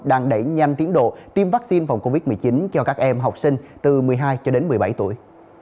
đang đẩy nhanh tiến độ tiêm vaccine phòng covid một mươi chín cho các em học sinh từ một mươi hai cho đến một mươi bảy tuổi